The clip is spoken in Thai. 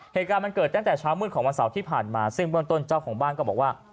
เหตุการณ์มันเกิดตั้งแต่เช้ามืดของวันเสาร์ที่ผ่านมาซึ่งเบื้องต้นเจ้าของบ้านก็บอกว่า